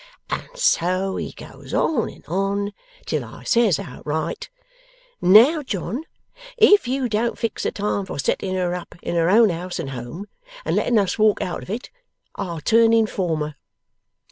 And so he goes on and on, till I says outright, "Now, John, if you don't fix a time for setting her up in her own house and home, and letting us walk out of it, I'll turn Informer."